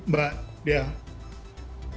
terima kasih mbak lian